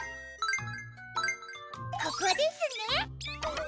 ここですね。